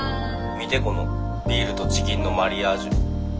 「見てこのビールとチキンのマリアージュ」。